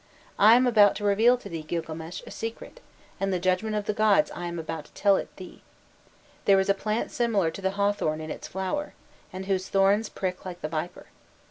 I am about to reveal to thee, Gilgames, a secret, and the judgment of the gods I am about to tell it thee. There is a plant similar to the hawthorn in its flower, and whose thorns prick like the viper.